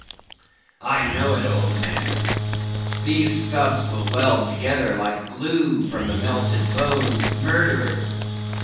"I know it, old man; these stubbs will weld together like glue from the melted bones of murderers.